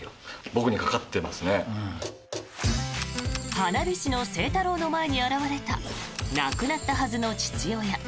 花火師の星太郎の前に現れた亡くなったはずの父親。